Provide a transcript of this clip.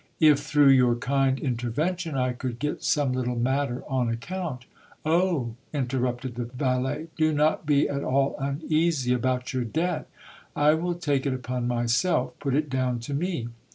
If through your kind intervention I could get some little matter on account'. ...' Oh ! interrupted the valet, do not be at all uneasy about your debt : I will take it upon myself ; put it down to me.